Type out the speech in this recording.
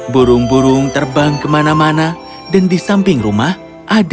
burung burung terbang kemana mana dan di samping rumah adat